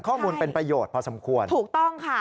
ข้อมูลเป็นประโยชน์พอสมควรถูกต้องค่ะ